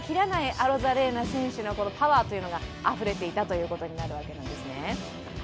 アロザレーナ選手のパワーがあふれていたということになるわけです。